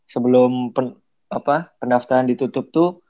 sebelum apa pendaftaran ditutup tuh